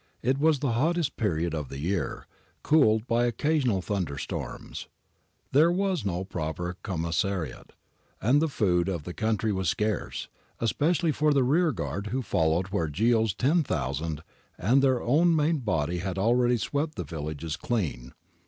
It was the hottest period of the year, cooled by occasional thunder storms. There was no proper commissariat, and the food of the country was scarce, especially for the rear guard who followed where Ohio's 10,000 and their own main body had already swept the villages clean.